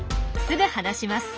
すぐ離します。